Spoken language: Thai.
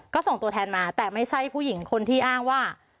ก็ส่งตัวแทนมาแต่ไม่ใช่ผู้หญิงคนที่อ้างว่า